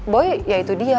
boy ya itu dia